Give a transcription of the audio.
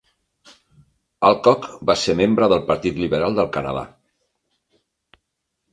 Alcock va ser membre del Partit Liberal del Canadà.